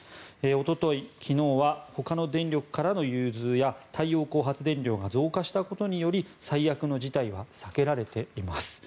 おととい、昨日はほかの電力からの融通や太陽光発電量が増加したことにより最悪の事態は避けられています。